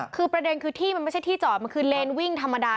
คือประเด็นคือที่มันไม่ใช่ที่จอดมันคือเลนวิ่งธรรมดา